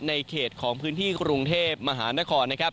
ในเขตของพื้นที่กรุงเทพมหานครนะครับ